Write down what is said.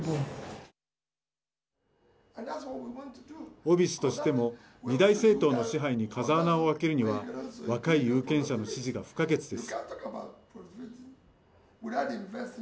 オビ氏としても二大政党の支配に風穴を空けるには若い有権者の支持が不可欠です。